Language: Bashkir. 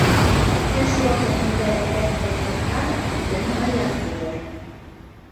Төш ваҡытында әтәс ҡысҡырһа, көн аяҙ булыр.